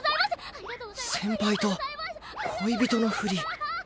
先輩と恋人のふり。